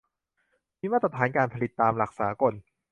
มีมาตรฐานการผลิตตามหลักสากล